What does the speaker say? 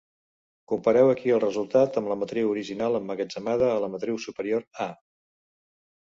Compareu aquí el resultat amb la matriu original emmagatzemada a la matriu superior A.